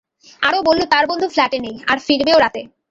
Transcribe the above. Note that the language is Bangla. আরো বলল তার বন্ধু ফ্ল্যাটে নেই, আর ফিরবেও রাতে।